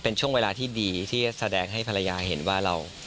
เป็นช่วงเวลาที่ดีที่แสดงให้ภรรยาเห็นว่าเรา